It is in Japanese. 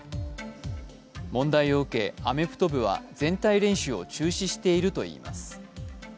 問題を受けアメフト部は全体練習を中止しているといいます。